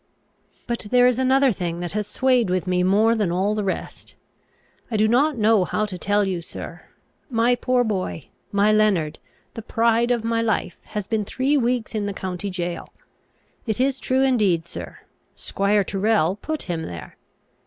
"But there is another thing that has swayed with me more than all the rest. I do not know how to tell you, sir, My poor boy, my Leonard, the pride of my life, has been three weeks in the county jail. It is true indeed, sir. Squire Tyrrel put him there.